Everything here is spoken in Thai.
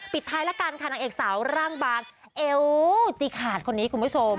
ปิดท้ายละกันค่ะนางเอกสาวร่างบานเอวจีขาดคนนี้คุณผู้ชม